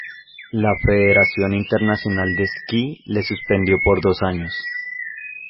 La Federación Internacional de Esquí le suspendió por dos años.